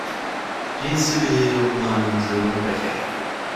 Dienstjubiläum einen silbernen Becher.